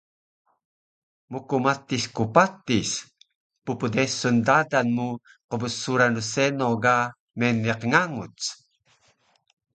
mkmatis ku patis ppdesun dadan mu qbsuran rseno ga meniq nganguc